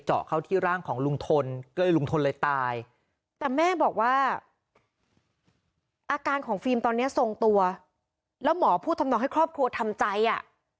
อาการของฟิล์มตอนนี้ทรงตัวแล้วหมอพูดทำนองให้ครอบครัวทำใจอ่ะ